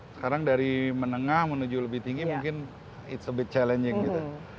sekarang dari menengah menuju lebih tinggi mungkin it's a bit challenging gitu